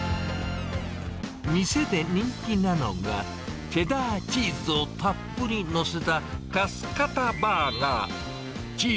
店で人気なのが、チェダーチーズをたっぷり載せたカスカタバーガー。